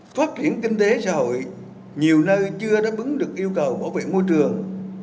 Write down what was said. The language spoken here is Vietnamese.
phát triển kinh tế xã hội nhiều nơi chưa đáp ứng được yêu cầu bảo vệ môi trường